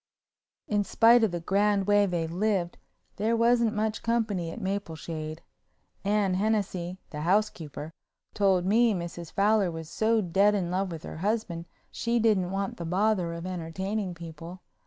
In spite of the grand way they lived there wasn't much company at Mapleshade. Anne Hennessey, the housekeeper, told me Mrs. Fowler was so dead in love with her husband she didn't want the bother of entertaining people.